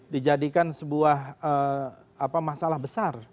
dijadikan sebuah masalah besar